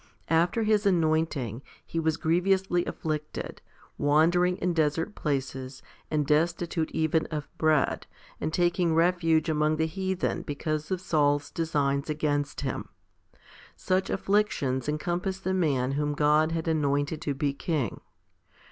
After his anointing, he was grievously afflicted, wandering in desert places, and destitute even of bread, and taking refuge among the heathen because of Saul's designs against him. Such afflictions encompassed the man whom God had anointed to be king.